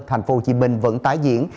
thành phố hồ chí minh vẫn tái diễn